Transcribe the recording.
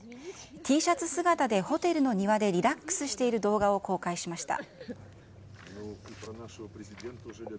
Ｔシャツ姿でホテルの庭でリラックスしている動画を公開しました。